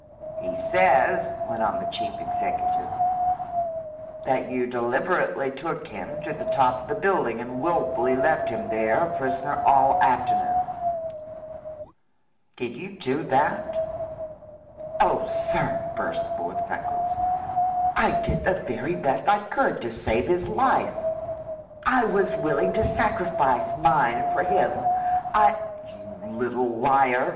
"He says," went on the chief executive, "that you deliberately took him to the top of the building and wilfully left him there a prisoner all afternoon. Did you do that?" "Oh, sir," burst forth Freckles, "I did the very best I could to save his life! I was willing to sacrifice mine for him. I " "You little liar!"